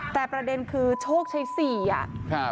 แต่ประเด็นคือโชคชัย๔อ่ะ